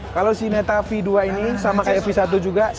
kalau si neta v dua ini sama kayak v satu juga